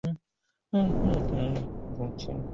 士鞅亡命秦国。